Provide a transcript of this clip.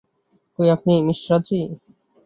কই আপনি, মিশ্রাজী?